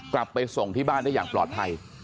กลับไปส่งที่บ้านได้อย่างปลอดภัย